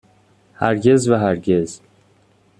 هرگز و هرگز